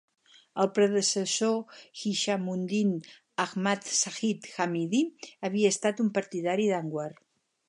El predecessor d'Hishammundin, Ahmad Zahid Hamidi, havia estat un partidari d'Anwar.